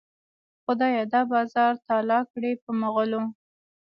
خدایه دا بازار تالا کړې په مغلو.